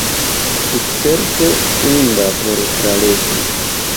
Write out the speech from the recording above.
Tutcerte inda por tralegi.